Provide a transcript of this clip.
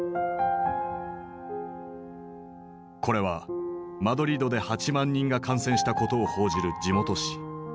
これはマドリードで８万人が感染したことを報じる地元紙。